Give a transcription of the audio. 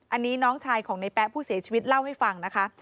อันนี้น้องชายของในแป๊ะผู้เสียชีวิตเล่าให้ฟังนะคะ